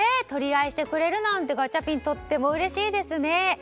取り合いしてくれるなんてとってもうれしいですね。